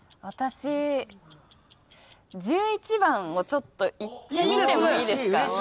私１１番をちょっといってみてもいいですか？